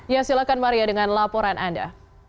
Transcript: ya silahkan maria dengan laporan anda